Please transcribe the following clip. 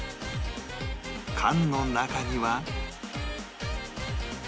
缶の中には